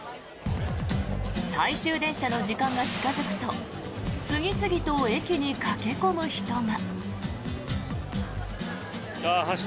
最終電車の時間が近付くと次々と駅に駆け込む人が。